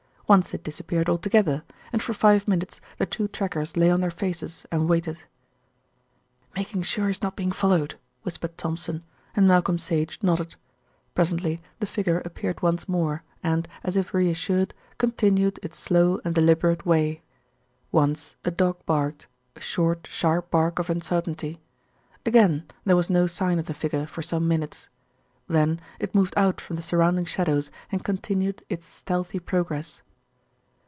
Once it disappeared altogether, and for five minutes the two trackers lay on their faces and waited. "Making sure he's not being followed," whispered Thompson, and Malcolm Sage nodded. Presently the figure appeared once more and, as if reassured, continued its slow and deliberate way. Once a dog barked, a short, sharp bark of uncertainty. Again there was no sign of the figure for some minutes. Then it moved out from the surrounding shadows and continued its stealthy progress.